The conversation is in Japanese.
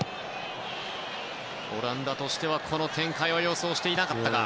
オランダとしては、この展開を予想していなかったか。